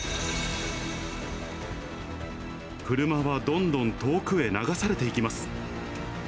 車はどんどん遠くへ流されていきます。